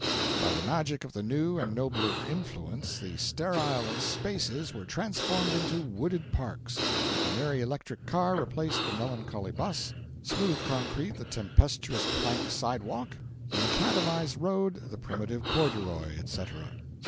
By the magic of the new and nobler influences the sterile spaces were transformed into wooded parks, the merry electric car replaced the melancholy 'bus, smooth concrete the tempestuous plank sidewalk, the macadamised road the primitive corduroy, et cetera.